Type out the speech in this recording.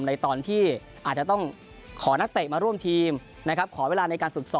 ในตอนที่อาจจะต้องขอนักเตะมาร่วมทีมนะครับขอเวลาในการฝึกซ้อม